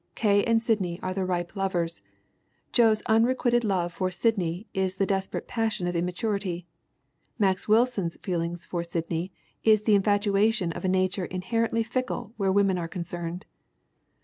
K. and Sid ney are the ripe lovers. Joe's unrequited love for Sid ney is the desperate passion of immaturity. Max Wil son's feeling for Sidney is the infatuation of a nature inherently fickle where women are concerned.